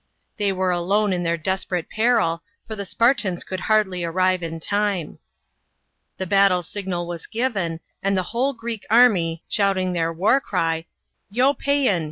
They were alone in their desperate peril, for the Spartans could hardly arrive in time. The battle signal was given, and the whole Greek army, shouting their war cry, " lo psean